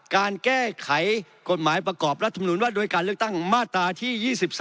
การแก้ไขกฎหมายประกอบรัฐมนุนว่าโดยการเลือกตั้งมาตราที่๒๓